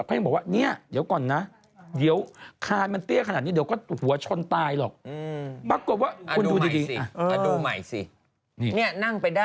ซึ่งมันแปลกประกอบแม้กระทั่งรถข้างหลัง